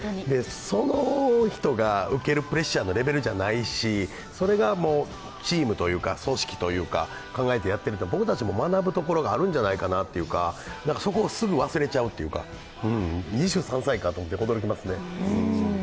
その人が受けるプレッシャーのレベルじゃないしそれがチームというか組織というか考えてやっている、僕たちも学ぶところがあるんじゃないかなというかそこをすぐ忘れちゃうっていうか２３歳かと思って驚きますね。